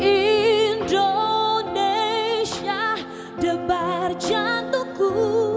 indonesia debar jantuku